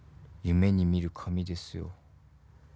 夢に見る髪ですよ。